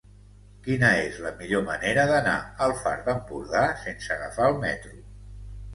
Quina és la millor manera d'anar al Far d'Empordà sense agafar el metro?